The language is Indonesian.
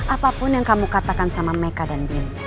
apapun yang kamu katakan sama mecah dan bimo